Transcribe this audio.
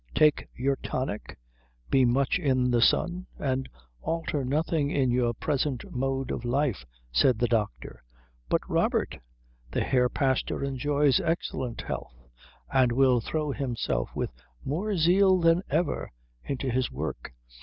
"Take your tonic, be much in the sun, and alter nothing in your present mode of life," said the doctor. "But Robert " "The Herr Pastor enjoys excellent health, and will throw himself with more zeal than ever into his work."